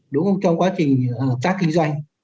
đúng không trong quá trình tác kinh doanh